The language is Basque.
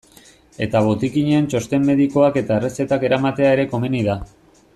Eta botikinean txosten medikoak eta errezetak eramatea ere komeni da.